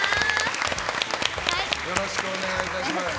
よろしくお願いします。